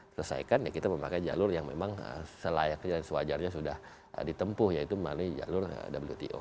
pengurusan kita bisa menggunakan jalur yang memang selayaknya sewajarnya sudah ditempuh yaitu melalui jalur wto